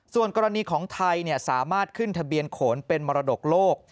ส่วนกรณีของไทยสามารถขึ้นทะเบียนโขนเป็นมรดกโลก